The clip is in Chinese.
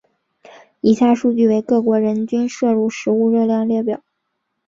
以下数据为各国人均摄入食物热量列表。